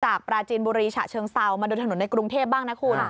ปราจีนบุรีฉะเชิงเซามาดูถนนในกรุงเทพบ้างนะคุณ